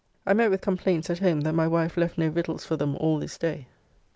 I met with complaints at home that my wife left no victuals for them all this day.